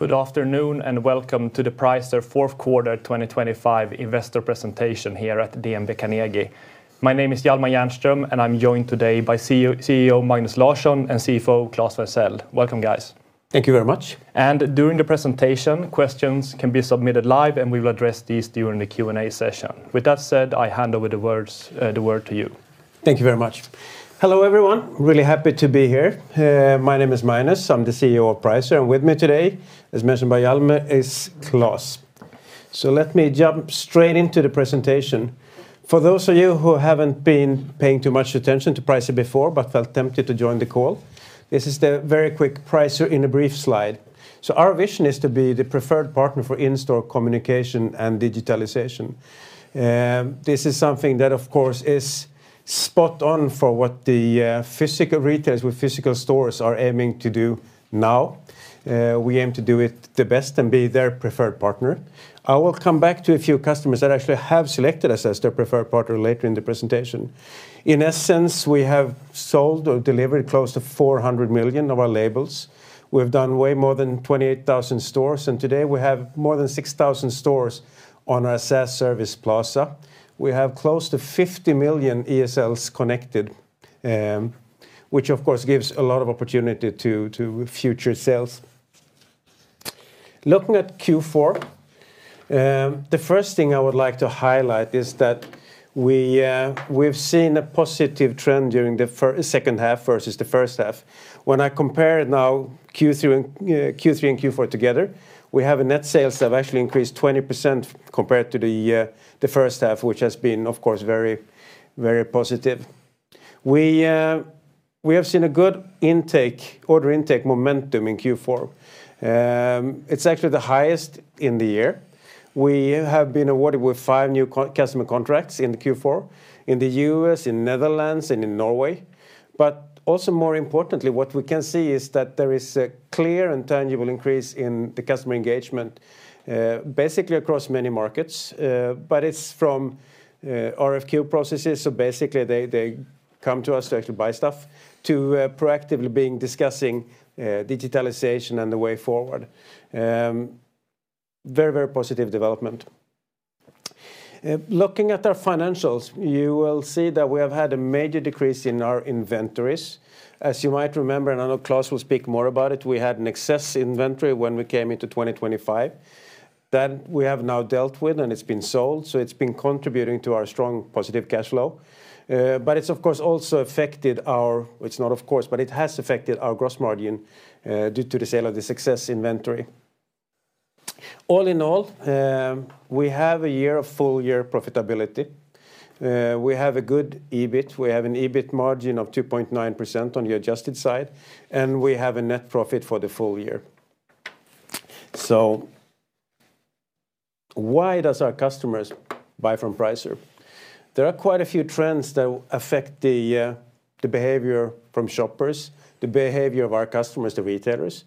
Good afternoon and welcome to the Pricer fourth quarter 2025 investor presentation here at Carnegie. My name is Hjalmar Jernström, and I'm joined today by CEO Magnus Larsson and CFO Claes Wenthzel. Welcome, guys. Thank you very much. During the presentation, questions can be submitted live, and we will address these during the Q&A session. With that said, I hand over the word to you. Thank you very much. Hello everyone, really happy to be here. My name is Magnus, I'm the CEO of Pricer, and with me today, as mentioned by Hjalmar, is Claes. So let me jump straight into the presentation. For those of you who haven't been paying too much attention to Pricer before but felt tempted to join the call, this is the very quick Pricer in a brief slide. So our vision is to be the preferred partner for in-store communication and digitalization. This is something that, of course, is spot on for what the physical retailers with physical stores are aiming to do now. We aim to do it the best and be their preferred partner. I will come back to a few customers that actually have selected us as their preferred partner later in the presentation. In essence, we have sold or delivered close to 400 million of our labels. We have done way more than 28,000 stores, and today we have more than 6,000 stores on our SaaS service Plaza. We have close to 50 million ESLs connected, which of course gives a lot of opportunity to future sales. Looking at Q4, the first thing I would like to highlight is that we've seen a positive trend during the second half versus the first half. When I compare now Q3 and Q4 together, we have a net sales that have actually increased 20% compared to the first half, which has been, of course, very positive. We have seen a good order intake momentum in Q4. It's actually the highest in the year. We have been awarded with 5 new customer contracts in the Q4, in the U.S., in the Netherlands, and in Norway. But also more importantly, what we can see is that there is a clear and tangible increase in the customer engagement, basically across many markets. But it's from RFQ processes, so basically they come to us to actually buy stuff, to proactively being discussing digitalization and the way forward. Very, very positive development. Looking at our financials, you will see that we have had a major decrease in our inventories. As you might remember, and I know Claes will speak more about it, we had an excess inventory when we came into 2025 that we have now dealt with, and it's been sold. So it's been contributing to our strong positive cash flow. But it's, of course, also affected our it's not of course, but it has affected our gross margin due to the sale of this excess inventory. All in all, we have a year of full-year profitability. We have a good EBIT. We have an EBIT margin of 2.9% on the adjusted side, and we have a net profit for the full year. So why does our customers buy from Pricer? There are quite a few trends that affect the behavior from shoppers, the behavior of our customers, the retailers.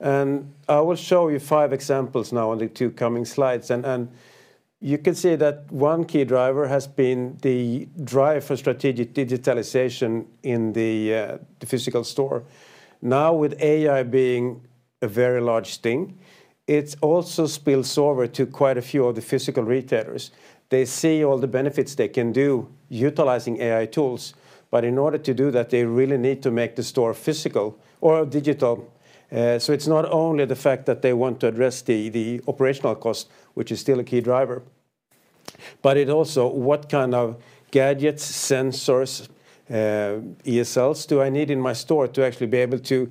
And I will show you five examples now on the two coming slides. And you can see that one key driver has been the drive for strategic digitalization in the physical store. Now, with AI being a very large thing, it's also spilled over to quite a few of the physical retailers. They see all the benefits they can do utilizing AI tools. But in order to do that, they really need to make the store physical or digital. So it's not only the fact that they want to address the operational cost, which is still a key driver, but it's also what kind of gadgets, sensors, ESLs do I need in my store to actually be able to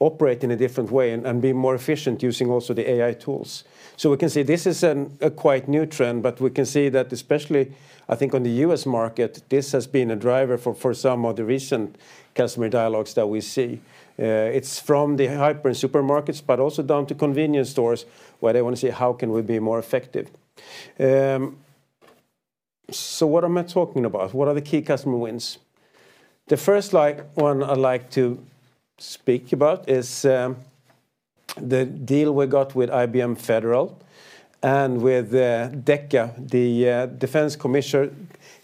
operate in a different way and be more efficient using also the AI tools. So we can see this is a quite new trend, but we can see that especially, I think, on the US market, this has been a driver for some of the recent customer dialogues that we see. It's from the hyper and supermarkets, but also down to convenience stores where they want to see, how can we be more effective? So what am I talking about? What are the key customer wins? The first one I'd like to speak about is the deal we got with IBM Federal and with DeCA, the Defense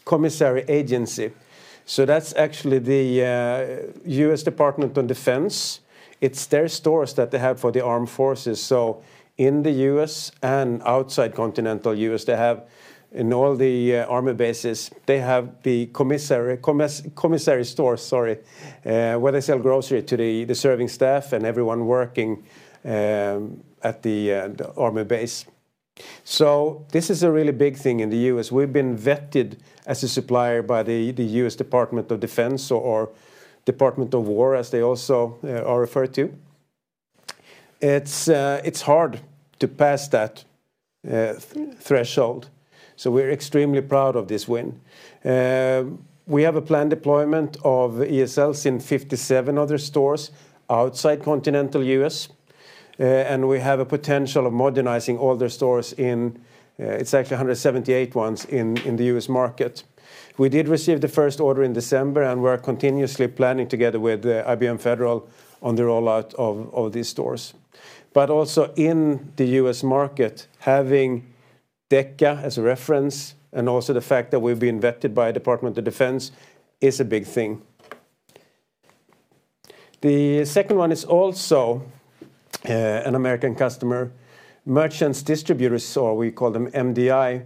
Commissary Agency. So that's actually the U.S. Department of Defense. It's their stores that they have for the armed forces. So in the U.S. and outside Continental U.S., they have in all the army bases, they have the commissary stores, sorry, where they sell grocery to the serving staff and everyone working at the army base. So this is a really big thing in the U.S. We've been vetted as a supplier by the U.S. Department of Defense or Department of War, as they also are referred to. It's hard to pass that threshold. So we're extremely proud of this win. We have a planned deployment of ESLs in 57 other stores outside Continental U.S., and we have a potential of modernizing all their stores in. It's actually 178 ones in the U.S. market. We did receive the first order in December, and we're continuously planning together with IBM Federal on the rollout of these stores. But also in the U.S. market, having DeCA as a reference and also the fact that we've been vetted by the Department of Defense is a big thing. The second one is also an American customer, Merchants Distributors, or we call them MDI.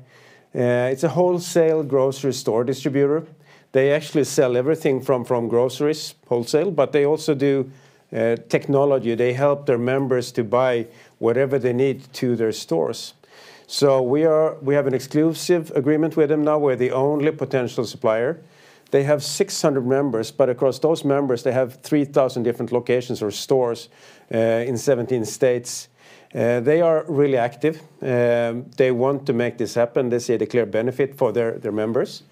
It's a wholesale grocery store distributor. They actually sell everything from groceries, wholesale, but they also do technology. They help their members to buy whatever they need to their stores. So we have an exclusive agreement with them now. We're the only potential supplier. They have 600 members, but across those members, they have 3,000 different locations or stores in 17 states. They are really active. They want to make this happen. They see a declared benefit for their members.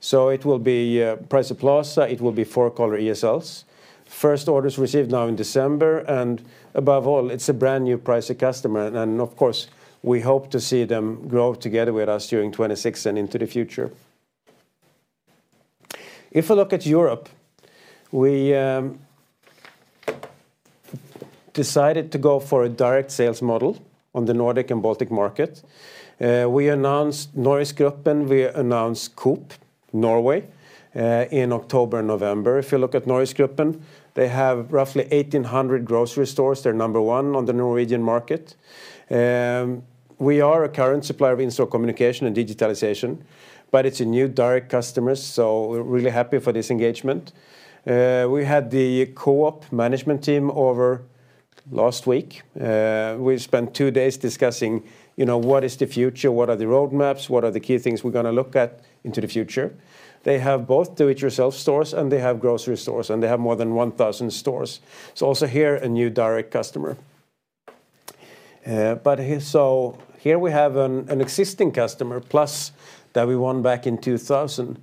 So it will be Pricer Plaza. It will be four-color ESLs. First orders received now in December. And above all, it's a brand new Pricer customer. And of course, we hope to see them grow together with us during 2026 and into the future. If we look at Europe, we decided to go for a direct sales module on the Nordic and Baltic market. We announced NorgesGruppen. We announced Coop Norge in October and November. If you look at NorgesGruppen, they have roughly 1,800 grocery stores. They're number one on the Norwegian market. We are a current supplier of in-store communication and digitalization, but it's a new direct customer, so we're really happy for this engagement. We had the Coop management team over last week. We spent two days discussing what the future is. What are the roadmaps? What are the key things we're going to look at into the future? They have both do-it-yourself stores and they have grocery stores, and they have more than 1,000 stores. So also here, a new direct customer. But so here we have an existing customer, PLUS, that we won back in 2000.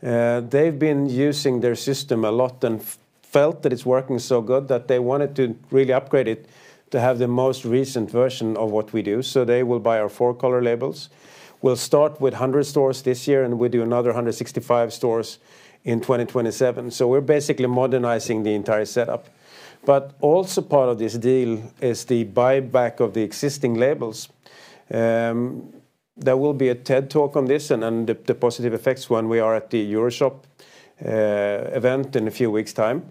They've been using their system a lot and felt that it's working so good that they wanted to really upgrade it to have the most recent version of what we do. So they will buy our four-color labels. We'll start with 100 stores this year, and we do another 165 stores in 2027. So we're basically modernizing the entire setup. But also part of this deal is the buyback of the existing labels. There will be a Tech Talk on this and the positive effects when we are at the EuroShop event in a few weeks' time.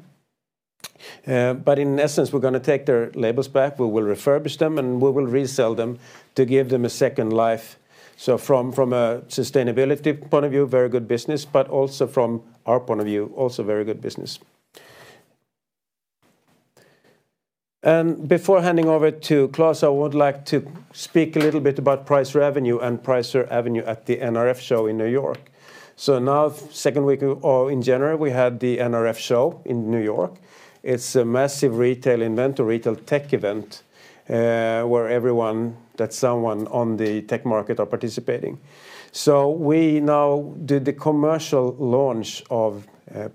But in essence, we're going to take their labels back. We will refurbish them, and we will resell them to give them a second life. So from a sustainability point of view, very good business, but also from our point of view, also very good business. And before handing over to Claes, I would like to speak a little bit about Pricer Avenue and Pricer Avenue at the NRF Show in New York. So now, second week in January, we had the NRF Show in New York. It's a massive retail industry, retail tech event where everyone that's someone on the tech market are participating. So we now did the commercial launch of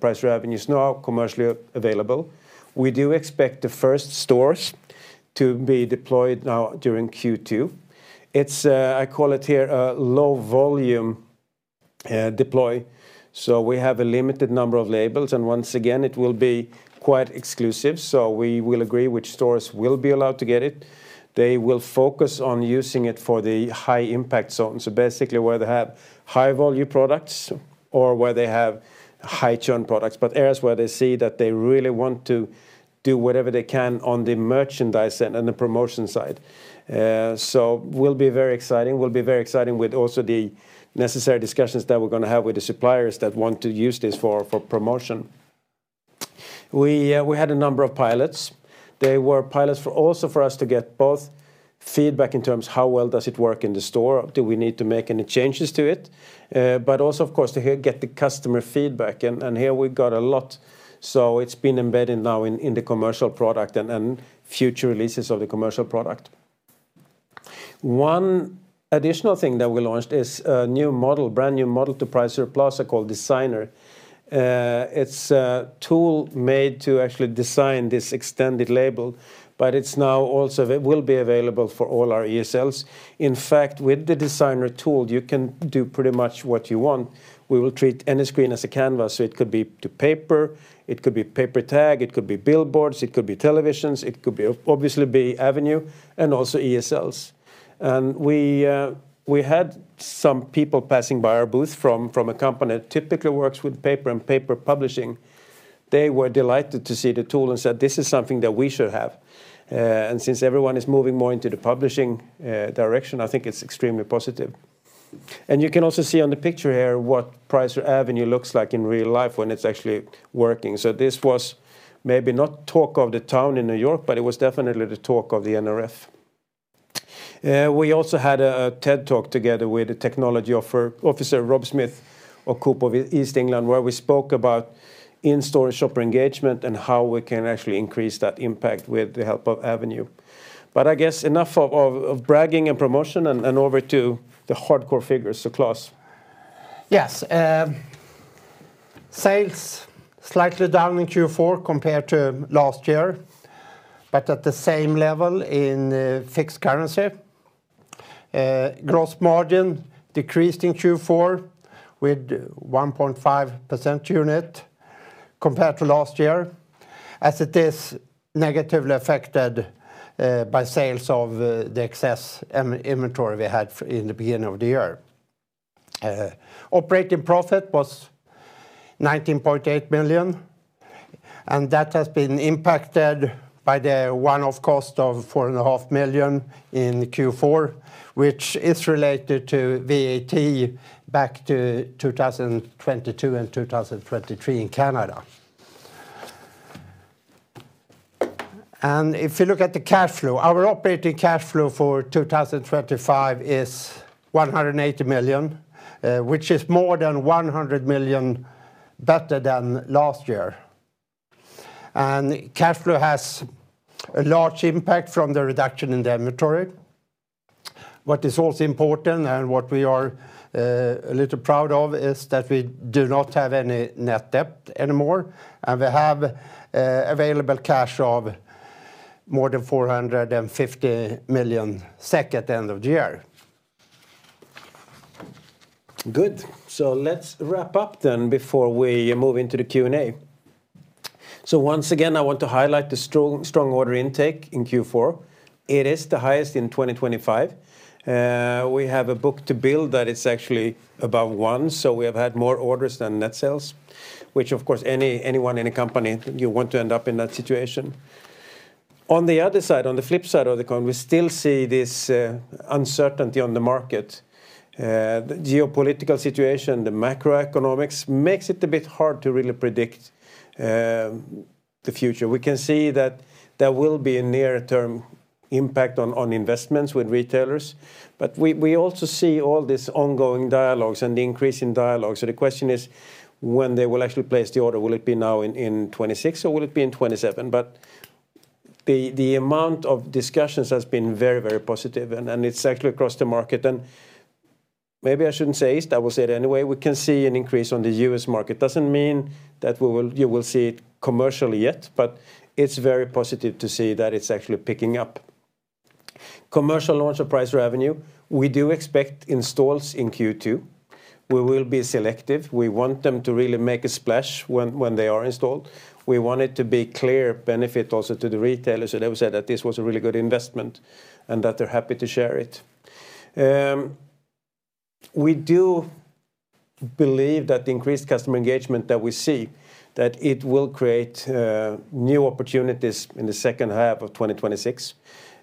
Pricer Avenue. It's now commercially available. We do expect the first stores to be deployed now during Q2. It's, I call it here, a low-volume deploy. So we have a limited number of labels. And once again, it will be quite exclusive. So we will agree which stores will be allowed to get it. They will focus on using it for the high-impact zone. So basically, where they have high-volume products or where they have high-churn products, but areas where they see that they really want to do whatever they can on the merchandise and the promotion side. So it will be very exciting. It will be very exciting with also the necessary discussions that we're going to have with the suppliers that want to use this for promotion. We had a number of pilots. They were pilots also for us to get both feedback in terms of how well does it work in the store? Do we need to make any changes to it? But also, of course, to get the customer feedback. And here we got a lot. So it's been embedded now in the commercial product and future releases of the commercial product. One additional thing that we launched is a new model, brand new model to Pricer Plaza called Designer. It's a tool made to actually design this extended label, but it's now also, it will be available for all our ESLs. In fact, with the Designer tool, you can do pretty much what you want. We will treat any screen as a canvas. So it could be to paper. It could be paper tag. It could be billboards. It could be televisions. It could obviously be Avenue and also ESLs. And we had some people passing by our booth from a company that typically works with paper and paper publishing. They were delighted to see the tool and said, "This is something that we should have." Since everyone is moving more into the publishing direction, I think it's extremely positive. You can also see on the picture here what Pricer Avenue looks like in real life when it's actually working. This was maybe not talk of the town in New York, but it was definitely the talk of the NRF. We also had a Tech Talk together with the technology officer, Rob Smith, of East of England Co-op, where we spoke about in-store shopper engagement and how we can actually increase that impact with the help of Avenue. I guess enough of bragging and promotion and over to the hardcore figures. Claes. Yes. Sales slightly down in Q4 compared to last year, but at the same level in fixed currency. Gross margin decreased in Q4 by 1.5 percentage points compared to last year, as it is negatively affected by sales of the excess inventory we had in the beginning of the year. Operating profit was 19.8 million, and that has been impacted by the one-off cost of 4.5 million in Q4, which is related to VAT back to 2022 and 2023 in Canada. If you look at the cash flow, our operating cash flow for 2025 is 180 million, which is more than 100 million better than last year. Cash flow has a large impact from the reduction in the inventory. What is also important and what we are a little proud of is that we do not have any net debt anymore, and we have available cash of more than 450 million SEK at the end of the year. Good. So let's wrap up then before we move into the Q&A. So once again, I want to highlight the strong order intake in Q4. It is the highest in 2025. We have a book-to-bill that it's actually above one. So we have had more orders than net sales, which, of course, anyone in a company, you want to end up in that situation. On the other side, on the flip side of the coin, we still see this uncertainty on the market. The geopolitical situation, the macroeconomics makes it a bit hard to really predict the future. We can see that there will be a near-term impact on investments with retailers. But we also see all these ongoing dialogues and the increase in dialogues. So the question is, when they will actually place the order, will it be now in 2026 or will it be in 2027? But the amount of discussions has been very, very positive, and it's actually across the market. And maybe I shouldn't say east. I will say it anyway. We can see an increase on the U.S. market. It doesn't mean that you will see it commercially yet, but it's very positive to see that it's actually picking up. Commercial launch of Pricer Avenue, we do expect installs in Q2. We will be selective. We want them to really make a splash when they are installed. We want it to be clear benefit also to the retailers. So they will say that this was a really good investment and that they're happy to share it. We do believe that the increased customer engagement that we see, that it will create new opportunities in the second half of 2026.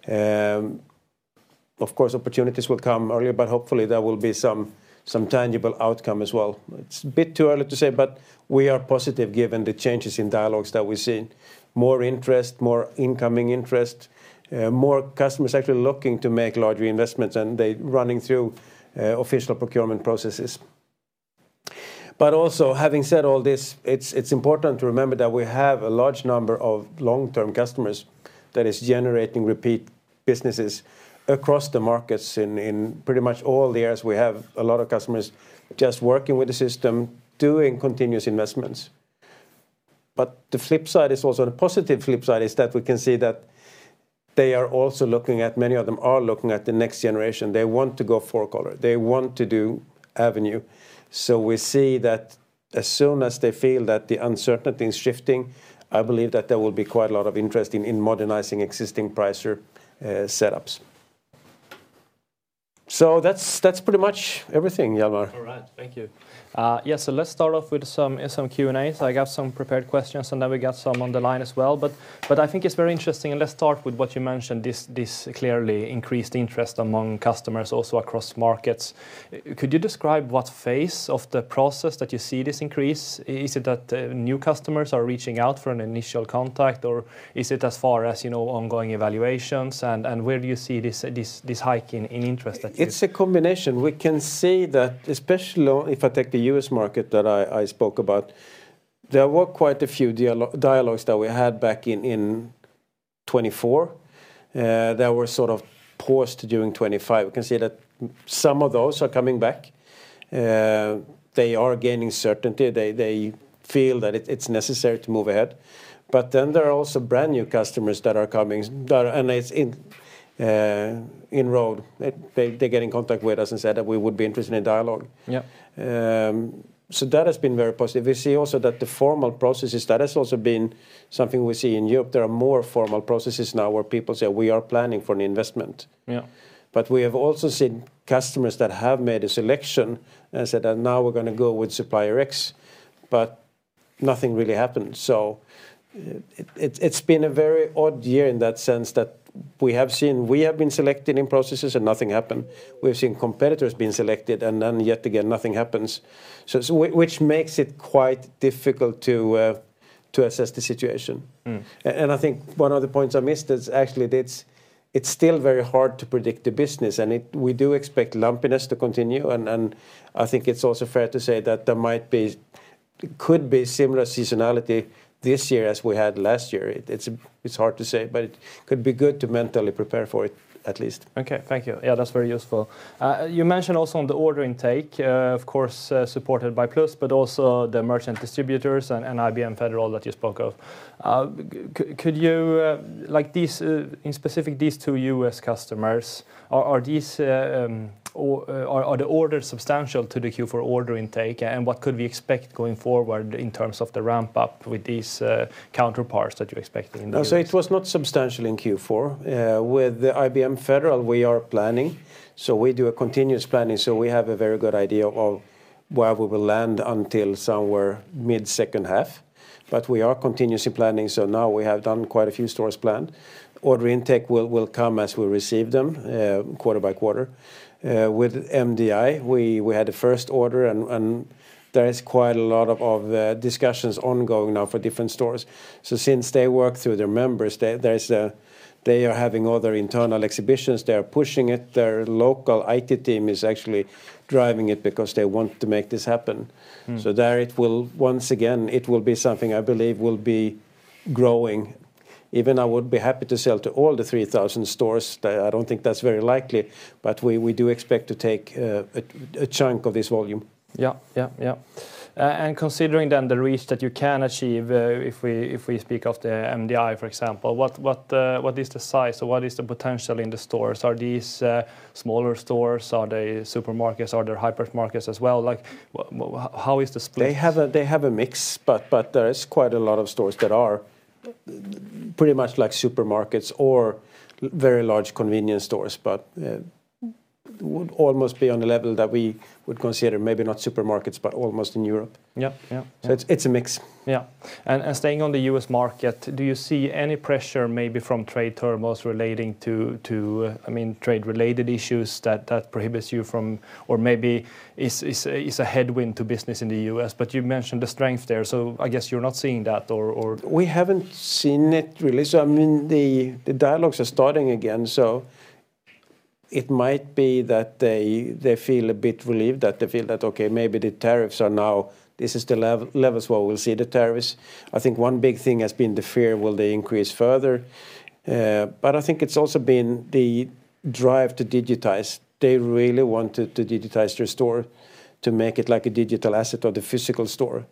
Of course, opportunities will come earlier, but hopefully, there will be some tangible outcome as well. It's a bit too early to say, but we are positive given the changes in dialogues that we've seen. More interest, more incoming interest, more customers actually looking to make larger investments and they running through official procurement processes. But also, having said all this, it's important to remember that we have a large number of long-term customers that is generating repeat businesses across the markets in pretty much all the years. We have a lot of customers just working with the system, doing continuous investments. But the flip side is also the positive flip side is that we can see that they are also looking at many of them are looking at the next generation. They want to go four-color. They want to do avenue. So we see that as soon as they feel that the uncertainty is shifting, I believe that there will be quite a lot of interest in modernizing existing Pricer setups. So that's pretty much everything, Hjalmar. All right. Thank you. Yeah. So let's start off with some Q&A. So I got some prepared questions, and then we got some on the line as well. But I think it's very interesting. And let's start with what you mentioned, this clearly increased interest among customers also across markets. Could you describe what phase of the process that you see this increase? Is it that new customers are reaching out for an initial contact, or is it as far as ongoing evaluations? And where do you see this hike in interest that you see? It's a combination. We can see that especially if I take the US market that I spoke about, there were quite a few dialogues that we had back in 2024 that were sort of paused during 2025. We can see that some of those are coming back. They are gaining certainty. They feel that it's necessary to move ahead. But then there are also brand new customers that are coming, and it's inroad. They get in contact with us and said that we would be interested in dialogue. So that has been very positive. We see also that the formal processes that has also been something we see in Europe. There are more formal processes now where people say, "We are planning for an investment." But we have also seen customers that have made a selection and said that now we're going to go with supplier X, but nothing really happened. So it's been a very odd year in that sense that we have seen we have been selected in processes, and nothing happened. We've seen competitors being selected, and then yet again, nothing happens, which makes it quite difficult to assess the situation. And I think one of the points I missed is actually it's still very hard to predict the business, and we do expect lumpiness to continue. And I think it's also fair to say that there might be could be similar seasonality this year as we had last year. It's hard to say, but it could be good to mentally prepare for it at least. Okay. Thank you. Yeah. That's very useful. You mentioned also on the order intake, of course, supported by PLUS, but also the Merchants Distributors and IBM Federal that you spoke of. Could you like these in specific these two US customers, are these the orders substantial to the Q4 order intake, and what could we expect going forward in terms of the ramp-up with these counterparts that you're expecting in the US? It was not substantial in Q4. With IBM Federal, we are planning. We do a continuous planning. We have a very good idea of where we will land until somewhere mid-second half. But we are continuously planning. Now we have done quite a few stores planned. Order intake will come as we receive them quarter by quarter. With MDI, we had the first order, and there is quite a lot of discussions ongoing now for different stores. Since they work through their members, they are having other internal exhibitions. They are pushing it. Their local IT team is actually driving it because they want to make this happen. So there it will once again, it will be something I believe will be growing. Even I would be happy to sell to all the 3,000 stores. I don't think that's very likely, but we do expect to take a chunk of this volume. Yeah. Yeah. Yeah. And considering then the reach that you can achieve if we speak of the MDI, for example, what is the size or what is the potential in the stores? Are these smaller stores? Are they supermarkets? Are there hypermarkets as well? How is the split? They have a mix, but there is quite a lot of stores that are pretty much like supermarkets or very large convenience stores, but would almost be on the level that we would consider maybe not supermarkets, but almost in Europe. So it's a mix. Yeah. And staying on the U.S. market, do you see any pressure maybe from trade terms relating to, I mean, trade-related issues that prohibits you from or maybe is a headwind to business in the U.S.? But you mentioned the strength there. So I guess you're not seeing that or. We haven't seen it really. So I mean, the dialogues are starting again. So it might be that they feel a bit relieved, that they feel that, "Okay, maybe the tariffs are now this is the levels where we'll see the tariffs." I think one big thing has been the fear, will they increase further? But I think it's also been the drive to digitize. They really want to digitize their store to make it like a digital asset or the physical store.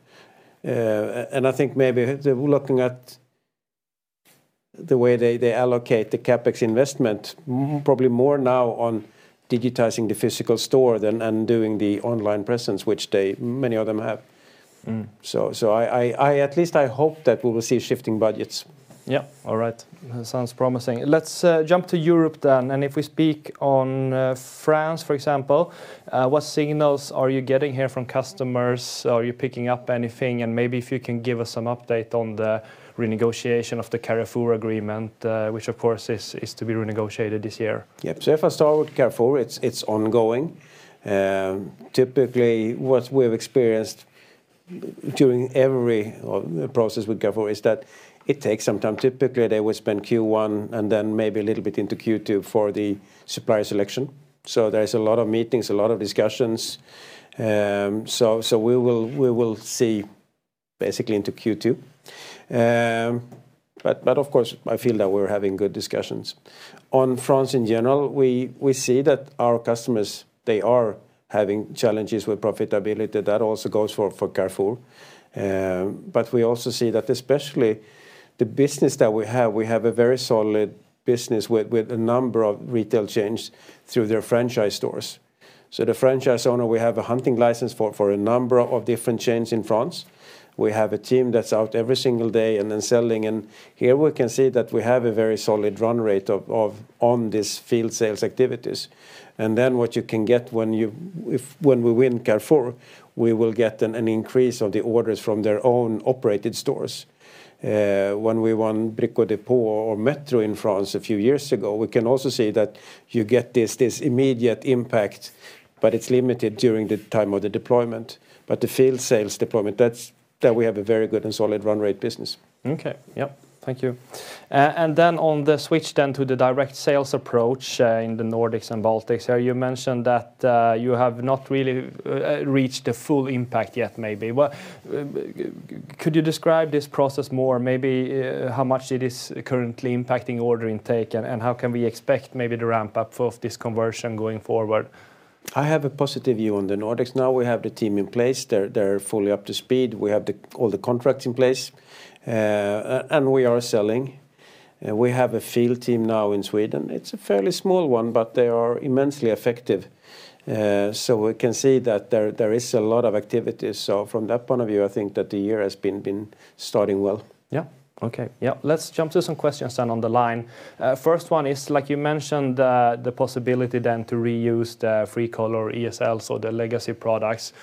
I think maybe they're looking at the way they allocate the CapEx investment, probably more now on digitizing the physical store than doing the online presence, which many of them have. At least I hope that we will see shifting budgets. Yeah. All right. Sounds promising. Let's jump to Europe then. If we speak on France, for example, what signals are you getting here from customers? Are you picking up anything? Maybe if you can give us some update on the renegotiation of the Carrefour agreement, which, of course, is to be renegotiated this year. Yep. If I start with Carrefour, it's ongoing. Typically, what we've experienced during every process with Carrefour is that it takes some time. Typically, they will spend Q1 and then maybe a little bit into Q2 for the supplier selection. So there is a lot of meetings, a lot of discussions. So we will see basically into Q2. But of course, I feel that we're having good discussions. On France in general, we see that our customers, they are having challenges with profitability. That also goes for Carrefour. But we also see that especially the business that we have, we have a very solid business with a number of retail chains through their franchise stores. So the franchise owner, we have a hunting license for a number of different chains in France. We have a team that's out every single day and then selling. And here we can see that we have a very solid run rate on these field sales activities. And then what you can get when we win Carrefour, we will get an increase of the orders from their own operated stores. When we won Brico Dépôt or Metro in France a few years ago, we can also see that you get this immediate impact, but it's limited during the time of the deployment. But the field sales deployment, that we have a very good and solid run rate business. Okay. Yep. Thank you. And then on the switch then to the direct sales approach in the Nordics and Baltics here, you mentioned that you have not really reached the full impact yet maybe. Could you describe this process more, maybe how much it is currently impacting order intake and how can we expect maybe the ramp-up of this conversion going forward? I have a positive view on the Nordics. Now we have the team in place. They're fully up to speed. We have all the contracts in place, and we are selling. We have a field team now in Sweden. It's a fairly small one, but they are immensely effective. So we can see that there is a lot of activity. So from that point of view, I think that the year has been starting well. Yeah. Okay. Yeah. Let's jump to some questions then on the line. First one is, like you mentioned, the possibility then to reuse the four-color ESLs or the legacy products.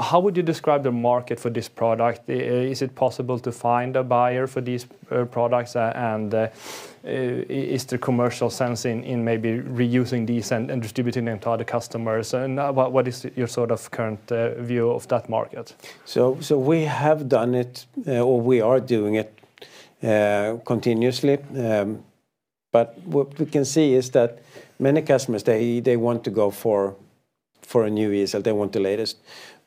How would you describe the market for this product? Is it possible to find a buyer for these products, and is there commercial sense in maybe reusing these and distributing them to other customers? And what is your sort of current view of that market? So we have done it or we are doing it continuously. But what we can see is that many customers, they want to go for a new ESL. They want the latest.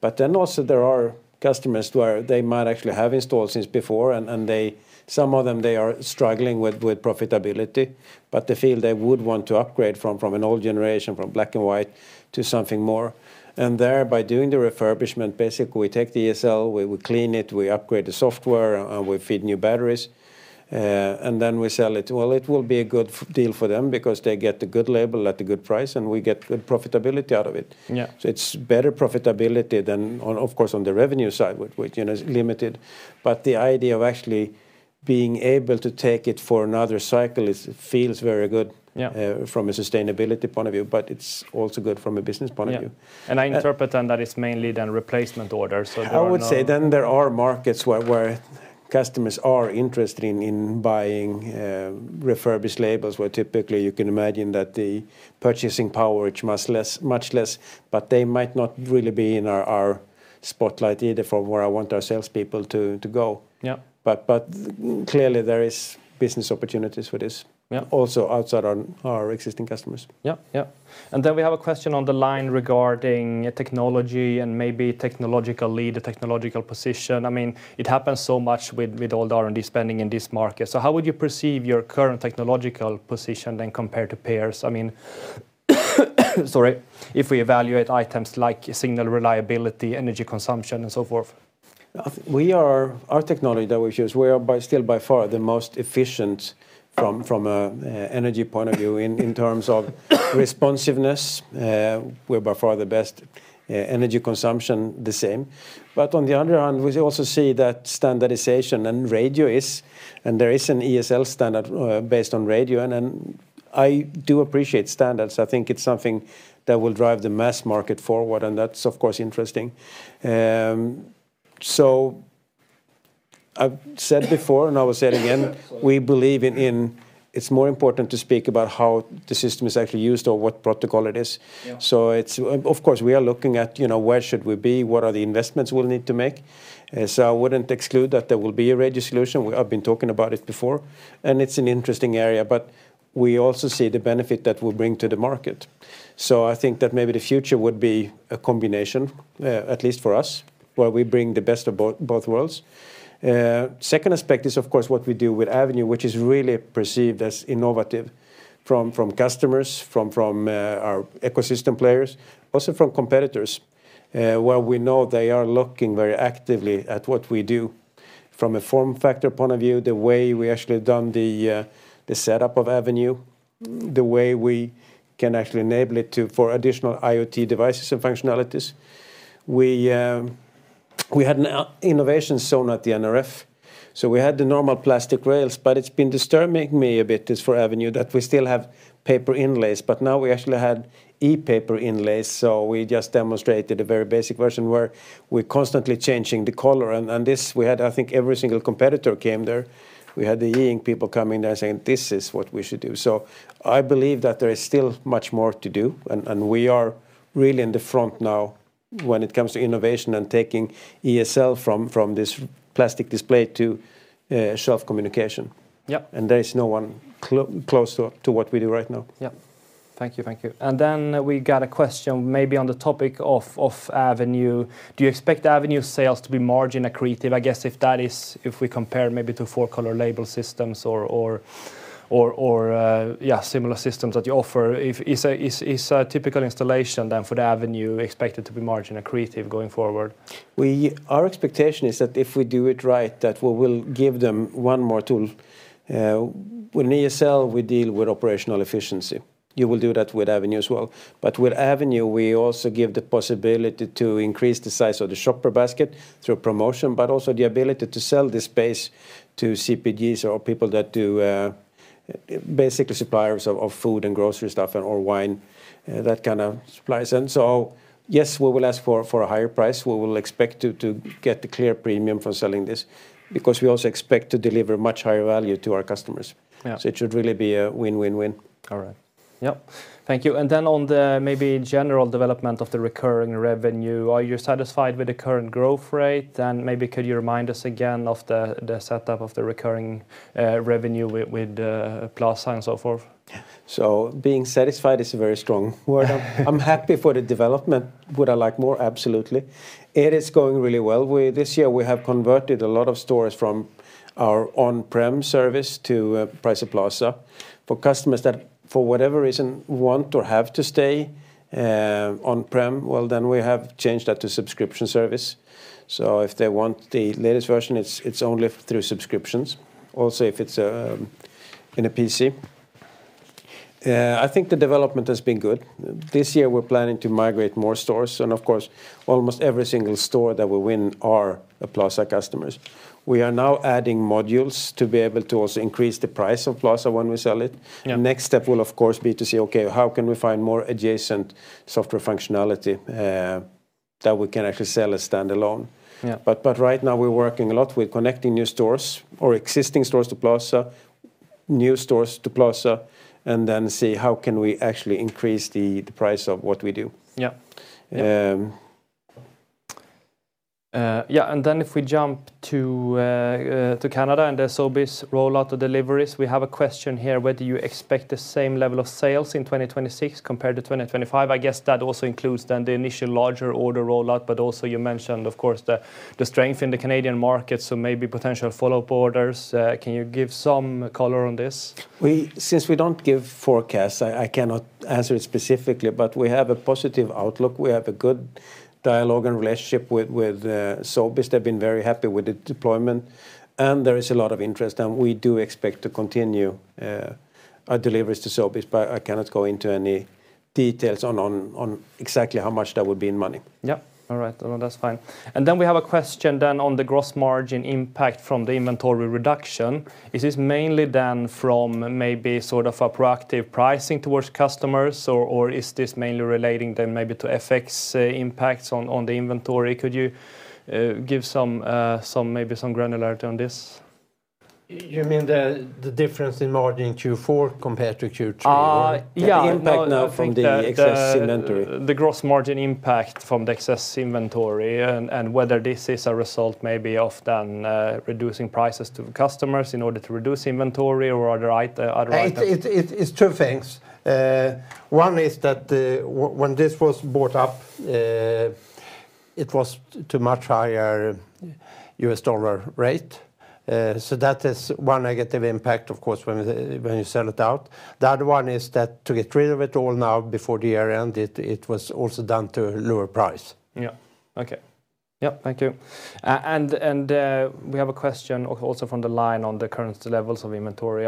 But then also, there are customers where they might actually have installed since before, and some of them, they are struggling with profitability. But they feel they would want to upgrade from an old generation, from black and white, to something more. And thereby doing the refurbishment, basically, we take the ESL, we clean it, we upgrade the software, and we feed new batteries, and then we sell it. Well, it will be a good deal for them because they get the good label at the good price, and we get good profitability out of it. So it's better profitability than, of course, on the revenue side, which is limited. But the idea of actually being able to take it for another cycle feels very good from a sustainability point of view, but it's also good from a business point of view. I interpret then that it's mainly then replacement orders. So there are not. I would say then there are markets where customers are interested in buying refurbished labels where typically, you can imagine that the purchasing power is much less, but they might not really be in our spotlight either from where I want our salespeople to go. But clearly, there are business opportunities for this also outside our existing customers. Yeah. Yeah. Then we have a question on the line regarding technology and maybe technological lead, the technological position. I mean, it happens so much with all the R&D spending in this market. So how would you perceive your current technological position then compared to peers? I mean, sorry, if we evaluate items like signal reliability, energy consumption, and so forth. Our technology that we use, we are still by far the most efficient from an energy point of view in terms of responsiveness. We're by far the best. Energy consumption, the same. But on the other hand, we also see that standardization and radio is, and there is an ESL standard based on radio. And I do appreciate standards. I think it's something that will drive the mass market forward, and that's, of course, interesting. So I've said before, and I will say it again, we believe in it's more important to speak about how the system is actually used or what protocol it is. So of course, we are looking at where should we be? What are the investments we'll need to make? So I wouldn't exclude that there will be a radio solution. I've been talking about it before, and it's an interesting area. But we also see the benefit that we bring to the market. So I think that maybe the future would be a combination, at least for us, where we bring the best of both worlds. Second aspect is, of course, what we do with Avenue, which is really perceived as innovative from customers, from our ecosystem players, also from competitors, where we know they are looking very actively at what we do from a form factor point of view, the way we actually have done the setup of Avenue, the way we can actually enable it for additional IoT devices and functionalities. We had an innovation zone at the NRF. So we had the normal plastic rails, but it's been disturbing me a bit for Avenue that we still have paper inlays. But now we actually had e-paper inlays. So we just demonstrated a very basic version where we're constantly changing the color. And this, we had, I think, every single competitor came there. We had the E Ink people coming there saying, "This is what we should do." So I believe that there is still much more to do, and we are really in the front now when it comes to innovation and taking ESL from this plastic display to shelf communication. And there is no one close to what we do right now. Yeah. Thank you. Thank you. And then we got a question maybe on the topic of Avenue. Do you expect Avenue sales to be margin accretive? I guess if that is if we compare maybe to four-color label systems or, yeah, similar systems that you offer, is a typical installation then for the Avenue expected to be margin accretive going forward? Our expectation is that if we do it right, that we will give them one more tool. With an ESL, we deal with operational efficiency. You will do that with Avenue as well. But with Avenue, we also give the possibility to increase the size of the shopper basket through promotion, but also the ability to sell this space to CPGs or people that do basically suppliers of food and grocery stuff or wine, that kind of supplies. And so yes, we will ask for a higher price. We will expect to get the clear premium from selling this because we also expect to deliver much higher value to our customers. So it should really be a win-win-win. All right. Yep. Thank you. And then on the maybe general development of the recurring revenue, are you satisfied with the current growth rate? Maybe could you remind us again of the setup of the recurring revenue with plus sign and so forth? Being satisfied is a very strong word. I'm happy for the development. Would I like more? Absolutely. It is going really well. This year, we have converted a lot of stores from our on-prem service to Pricer Plaza for customers that, for whatever reason, want or have to stay on-prem. Well, then we have changed that to subscription service. If they want the latest version, it's only through subscriptions, also if it's in a PC. I think the development has been good. This year, we're planning to migrate more stores. And of course, almost every single store that we win are a Plaza customer. We are now adding modules to be able to also increase the price of Plaza when we sell it. The next step will, of course, be to see, "Okay, how can we find more adjacent software functionality that we can actually sell as standalone?" But right now, we're working a lot with connecting new stores or existing stores to Plaza, new stores to Plaza, and then see how can we actually increase the price of what we do. Yeah. Yeah. And then if we jump to Canada and the Sobeys rollout of deliveries, we have a question here. Whether you expect the same level of sales in 2026 compared to 2025. I guess that also includes then the initial larger order rollout. But also you mentioned, of course, the strength in the Canadian market, so maybe potential follow-up orders. Can you give some color on this? Since we don't give forecasts, I cannot answer it specifically. But we have a positive outlook. We have a good dialogue and relationship with Sobeys. They've been very happy with the deployment. There is a lot of interest. We do expect to continue our deliveries to Sobeys. But I cannot go into any details on exactly how much that would be in money. Yeah. All right. No, that's fine. Then we have a question then on the gross margin impact from the inventory reduction. Is this mainly then from maybe sort of a proactive pricing towards customers, or is this mainly relating then maybe to FX impacts on the inventory? Could you give maybe some granularity on this? You mean the difference in margin Q4 compared to Q3? Yeah. The impact now from the excess inventory. The gross margin impact from the excess inventory and whether this is a result maybe of then reducing prices to customers in order to reduce inventory or are there other items? It's two things. One is that when this was bought up, it was too much higher US dollar rate. So that is one negative impact, of course, when you sell it out. The other one is that to get rid of it all now before the year end, it was also done to a lower price. Yeah. Okay. Yep. Thank you. And we have a question also from the line on the current levels of inventory.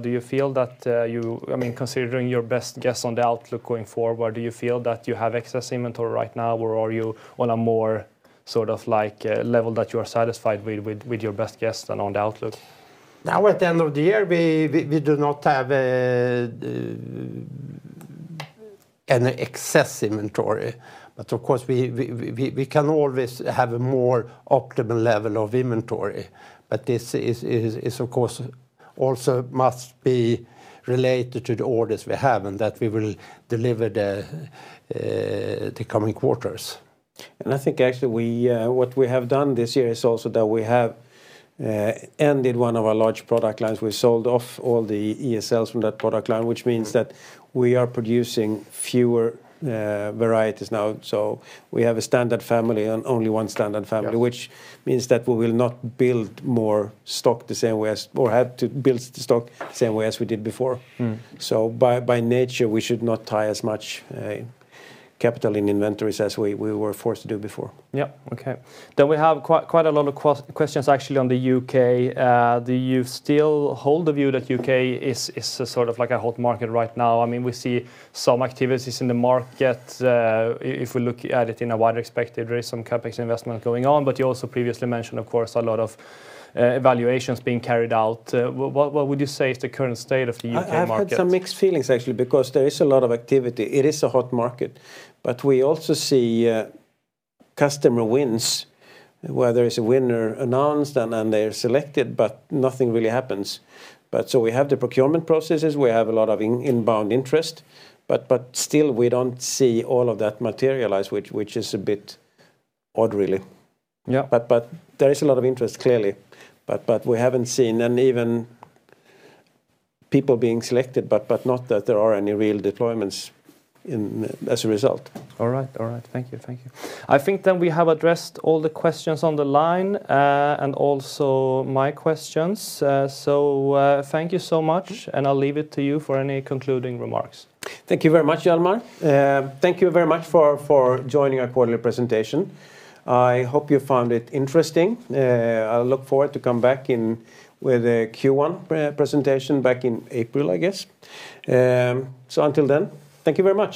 Do you feel that you—I mean, considering your best guess on the outlook going forward—do you feel that you have excess inventory right now, or are you on a more sort of level that you are satisfied with your best guess than on the outlook? Now at the end of the year, we do not have an excess inventory. But of course, we can always have a more optimal level of inventory. But this, of course, also must be related to the orders we have and that we will deliver the coming quarters. And I think actually what we have done this year is also that we have ended one of our large product lines. We sold off all the ESLs from that product line, which means that we are producing fewer varieties now. So we have a standard family, only one standard family, which means that we will not build more stock the same way as or have to build the stock the same way as we did before. So by nature, we should not tie as much capital in inventories as we were forced to do before. Yeah. Okay. Then we have quite a lot of questions actually on the U.K. Do you still hold the view that U.K. is sort of like a hot market right now? I mean, we see some activities in the market. If we look at it in a wider perspective, there is some CapEx investment going on. But you also previously mentioned, of course, a lot of evaluations being carried out. What would you say is the current state of the U.K. market? I have had some mixed feelings, actually, because there is a lot of activity. It is a hot market. But we also see customer wins, where there is a winner announced and they are selected, but nothing really happens. So we have the procurement processes. We have a lot of inbound interest. But still, we don't see all of that materialize, which is a bit odd, really. But there is a lot of interest, clearly. But we haven't seen even people being selected, but not that there are any real deployments as a result. All right. All right. Thank you. Thank you. I think then we have addressed all the questions on the line and also my questions. So thank you so much. And I'll leave it to you for any concluding remarks. Thank you very much, Hjalmar. Thank you very much for joining our quarterly presentation. I hope you found it interesting. I look forward to coming back with a Q1 presentation back in April, I guess. So until then, thank you very much.